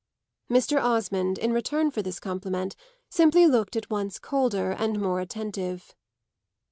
Mr. Osmond, in return for this compliment, simply looked at once colder and more attentive.